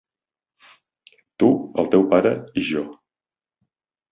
Tu, el teu pare i jo.